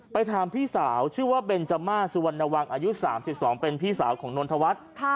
ถามพี่สาวชื่อว่าเบนจาม่าสุวรรณวังอายุ๓๒เป็นพี่สาวของนนทวัฒน์